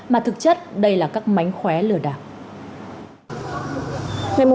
mà thực chất đây là các mánh khóe lừa đảo